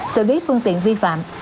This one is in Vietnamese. xử lý phương tiện vi phạm